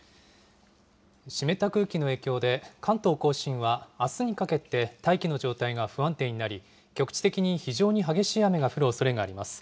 湿った空気の影響で、関東甲信はあすにかけて、大気の状態が不安定になり、局地的に非常に激しい雨が降るおそれがあります。